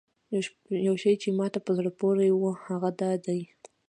یو شی چې ماته په زړه پورې و هغه دا دی.